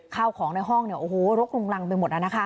ข้าวของในห้องโรคลุงรังไปหมดแล้วนะคะ